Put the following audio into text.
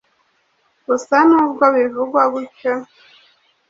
Gusa nubwo bivugwa gutyo,